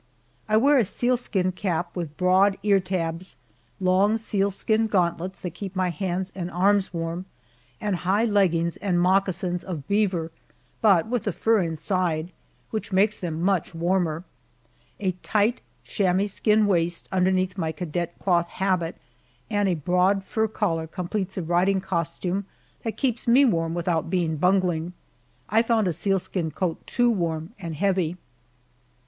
I wear a sealskin cap with broad ear tabs, long sealskin gauntlets that keep my hands and arms warm, and high leggings and moccasins of beaver, but with the fur inside, which makes them much warmer. A tight chamois skin waist underneath my cadet cloth habit and a broad fur collar completes a riding costume that keeps me warm without being bungling. I found a sealskin coat too warm and heavy.